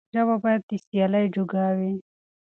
ژبه بايد د سيالۍ جوګه شي.